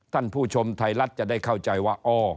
ท่านผู้ชมไทยรัฐจะได้เข้าใจว่า